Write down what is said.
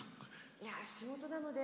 いやー、仕事なので。